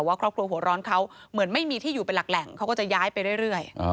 ครอบครัวหัวร้อนเขาเหมือนไม่มีที่อยู่เป็นหลักแหล่งเขาก็จะย้ายไปเรื่อย